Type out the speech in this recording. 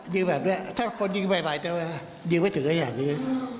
ยิงแบบนี้ถ้าคนยิงใหม่จะยิงไม่ถึงอันอย่างนี้